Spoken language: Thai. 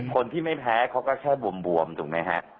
คนที่ไม่แพ้เขาก็แค่บวมถูกไหมฮะ